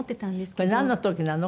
これなんの時なの？